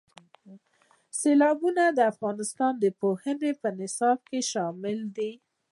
سیلابونه د افغانستان د پوهنې په نصاب کې شامل دي.